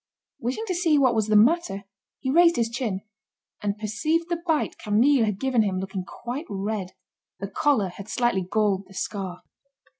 Wishing to see what was the matter, he raised his chin, and perceived the bite Camille had given him looking quite red. The collar had slightly galled the scar.